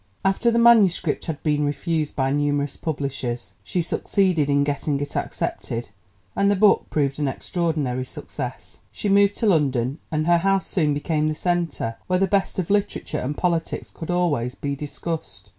After the manuscript had been refused by numerous publishers, she succeeded in getting it accepted, and the book proved an extraordinary success. She moved to London, and her house soon became the centre where the best of literature and politics could always be discussed.